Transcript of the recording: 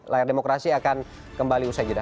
layar demokrasi akan kembali usai jeda